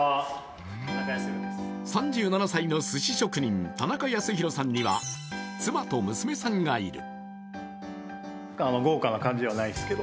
３７歳のすし職人、田中康博さんには妻と娘さんがいる。